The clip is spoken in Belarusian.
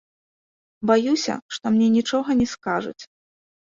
Баюся, што мне нічога не скажуць.